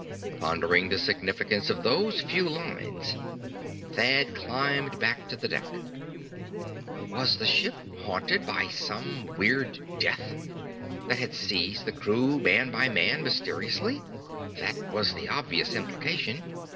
Pondering the significance of those few lines, Thad climbed back to the deck. Was the ship haunted by some weird death, that had seized the crew man by man, mysteriously? That was the obvious implication.